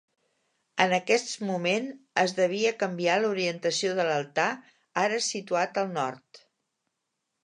En aquest moment es devia canviar l'orientació de l'altar, ara situat al nord.